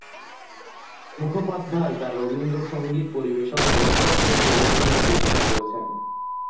মুখোপাধ্যায় তার রবীন্দ্র সংগীত পরিবেশনায় নতুনত্ব প্রবর্তনের চেষ্টা করেছেন।